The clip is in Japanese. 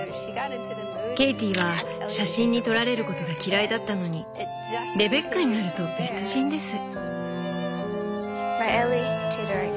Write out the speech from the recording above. ケイティは写真に撮られることが嫌いだったのにレベッカになると別人です。